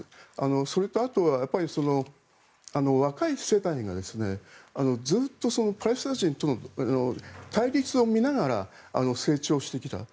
それとあとは若い世代がずっとパレスチナ人との対立を見ながら成長してきた。